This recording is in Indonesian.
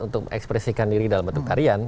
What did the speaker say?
untuk mengekspresikan diri dalam bentuk tarian